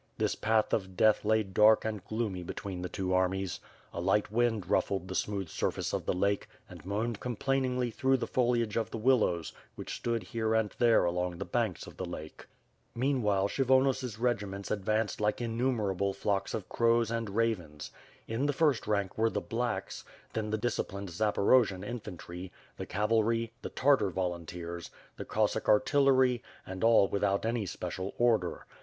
This path of death lay dark and gloomy between the two armies. A light wind ruffled the smooth surface of the lake and moaned complainingly through the foliage of the willows which stood here and there along the banks of the lake. Meanwhile K&hyvonos* regiments advanced like innumer able flocks of crows and ravens. In the first rank were the "blacks," then the disciplined Zaporojian infantry, the cav alry, the Tartar volunteers, the Cossack artillery, and all without any special order.